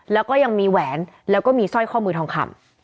แล้วก็ยังมีแหวนแล้วก็มีสร้อยข้อมือทองคำ